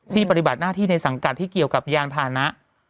ปฏิบัติหน้าที่ในสังกัดที่เกี่ยวกับยานพานะ